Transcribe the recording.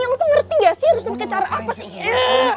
lo tuh ngerti gak sih harusnya pakai cara apa sih